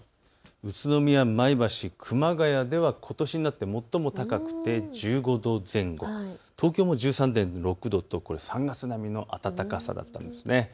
宇都宮、前橋、熊谷ではことしになって最も高くて１５度前後、東京も１３．６度と３月並みの暖かさだったんです。